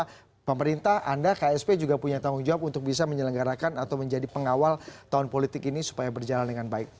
karena pemerintah anda ksp juga punya tanggung jawab untuk bisa menyelenggarakan atau menjadi pengawal tahun politik ini supaya berjalan dengan baik